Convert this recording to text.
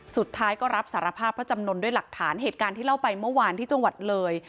สุดท้ายก็รับสารภาพเพราะจำนวนด้วยหลักฐานเหตุการณ์ที่เล่าไปเมื่อวานที่จังหวัดเลย